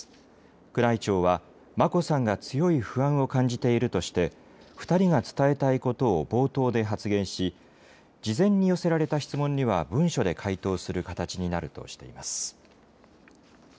宮内庁は眞子さんが強い不安を感じているとして、２人が伝えたいことを冒頭で発言し、事前に寄せられた質問には文書で回答する形になるとしています。